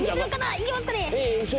いけますかね。